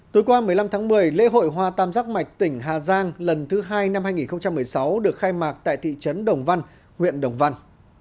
tối qua một mươi năm tháng một mươi lễ hội hoa tam giác mạch tỉnh hà giang lần thứ hai năm hai nghìn một mươi sáu được khai mạc tại thị trấn đồng văn huyện đồng văn